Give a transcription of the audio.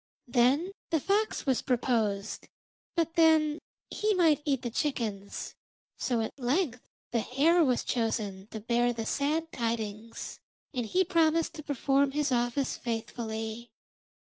Then the fox was proposed, but then he might eat the chickens. So at length the hare was chosen to bear the sad tidings, and he promised to perform his office faithfully.